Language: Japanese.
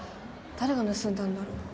誰が盗んだんだろう？